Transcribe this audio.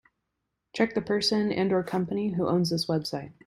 Check the person and/or company who owns this website.